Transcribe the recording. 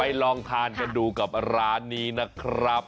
ลองทานกันดูกับร้านนี้นะครับ